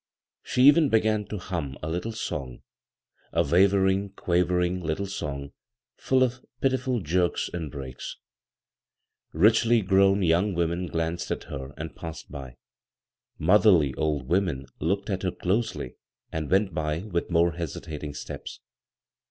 She even began to hum a little song — a wavering, quavering tittle song full of pitiful jerks and breaks. Richly gowned young women ^anced at her and passed by. Motherly old women looked at her dosety and went by with more hesitating steps.